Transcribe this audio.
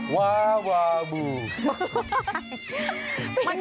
มันคอรัตเอง